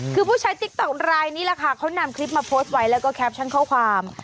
คือผู้ใช้ติ๊กต๊อกรายนี้แหละค่ะเขานำคลิปมาโพสต์ไว้แล้วก็แคปชั่นข้อความ